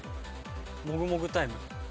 もぐもぐタイム。